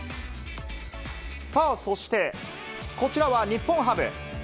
さあ、そして、こちらは日本ハム。